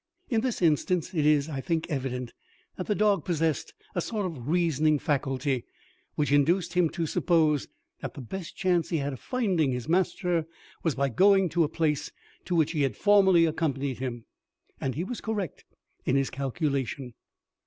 In this instance it is, I think, evident, that the dog possessed a sort of reasoning faculty, which induced him to suppose that the best chance he had of finding his master was by going to a place to which he had formerly accompanied him; and he was correct in his calculation.